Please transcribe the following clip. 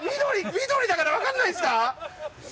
緑緑だからわかんないんですか？